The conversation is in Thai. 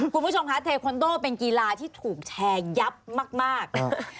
คุณผู้ชมคะเทคอนโดเป็นกีฬาที่ถูกแชร์ยับมาก